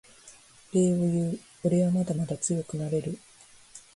礼を言うおれはまだまだ強くなれる